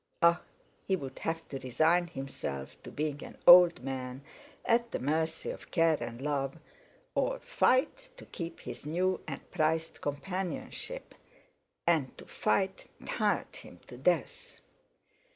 Ah! He would have to resign himself to being an old man at the mercy of care and love, or fight to keep this new and prized companionship; and to fight tired him to death.